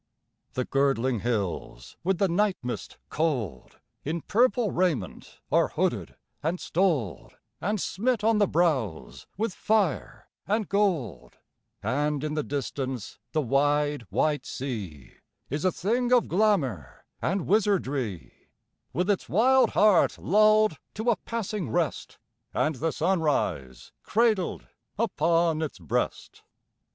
The girdling hills with the night mist cold In purple raiment are hooded and stoled And smit on the brows with fire and gold; And in the distance the wide, white sea Is a thing of glamor and wizardry, With its wild heart lulled to a passing rest, And the sunrise cradled upon its breast.